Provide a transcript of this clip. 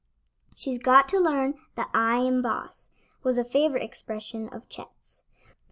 "She's got to learn that I'm boss," was a favorite expression of Chet's.